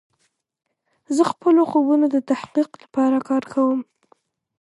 زه د خپلو خوبونو د تحقق لپاره کار کوم.